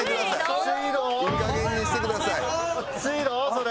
それ。